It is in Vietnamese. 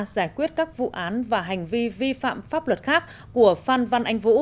giải quyết các vụ án và hành vi vi phạm pháp luật khác của phan văn anh vũ